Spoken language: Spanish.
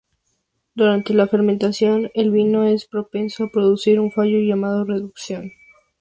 Durante la fermentación, el vino es propenso a producir un fallo llamado reducción.